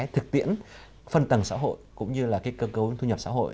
thực tiễn phân tầng xã hội cũng như là cơ cấu thu nhập xã hội